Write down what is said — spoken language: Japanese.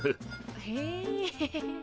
へえ。